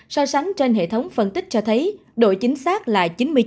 so sánh trên hệ thống phân tích cho thấy độ chính xác là chín mươi chín chín mươi chín